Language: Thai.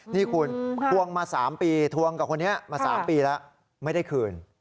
นี่คุณทวงมา๓ปีทวงกับคนนี้มา๓ปีแล้วไม่ได้คืน